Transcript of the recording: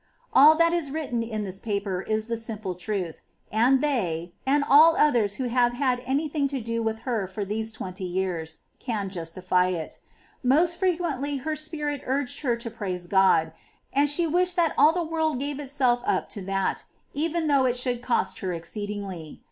All that is written in this paper is the simple truth, and they, and all others who have had any thing to do with her for these twenty years, can justify it. Most frequently her spirit urged her to praise God, and she wished that all the world gave itself up to that, even though it should cost her exceed ingly.